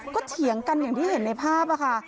ก็เถียงกันอย่างที่เห็นในภาพค่ะ